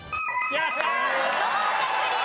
やったー！